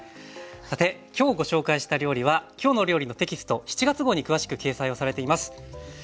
さて今日ご紹介した料理は「きょうの料理」のテキスト７月号に詳しく掲載をされています。